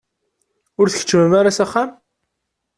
Ur tkeččmem ara s axxam?